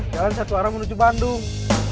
jalan satu arah menuju bandung